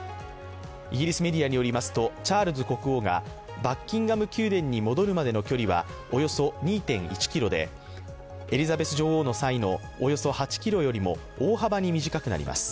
イギリスメディアによりますと、チャールズ国王がバッキンガム宮殿に戻るまでの距離はおよそ２．１ｋｍでエリザベス女王の際のおよそ８ｋｍよりも大幅に短くなります。